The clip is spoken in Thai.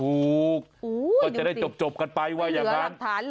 อู๊ยอยู่จริงไม่เหลือรับฐานเลยจะได้จบกันไปว่าอย่างนั้น